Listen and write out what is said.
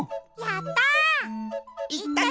やった！